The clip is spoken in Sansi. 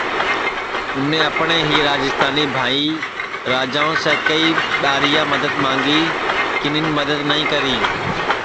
اُنے اپٹؔے ہی راجیستانی بھائی راجاوں سے کئی ٻیریا مددت مانگی کِنین مددت نائی کری